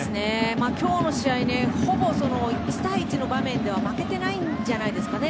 今日の試合ほぼ１対１の場面では負けてないんじゃないですかね